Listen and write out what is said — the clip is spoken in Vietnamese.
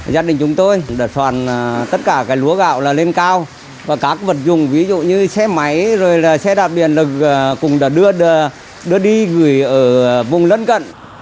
gia đình chúng tôi đã soàn tất cả lúa gạo lên cao và các vật dùng ví dụ như xe máy xe đạp biển cũng đã đưa đi gửi ở vùng lân cận